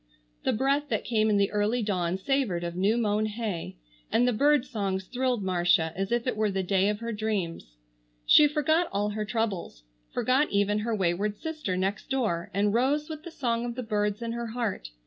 The breath that came in the early dawn savored of new mown hay, and the bird songs thrilled Marcia as if it were the day of her dreams. She forgot all her troubles; forgot even her wayward sister next door; and rose with the song of the birds in her heart.